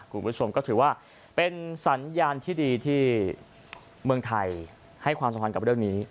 คุณผู้ชมก็ถือว่าเป็นสัญญาณที่ดีที่เมืองไทยให้ความสำคัญกับเรื่องนี้